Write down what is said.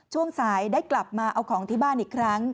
ช่วงสายได้กลับมาเอาของที่บ้านอีกครั้ง